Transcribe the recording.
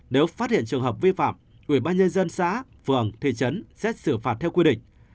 nếu phát hiện trường hợp vi phạm ubnd xã vườn thị trấn sẽ xử phạt theo quy định